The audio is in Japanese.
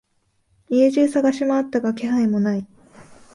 家中探しまわったが気配もない。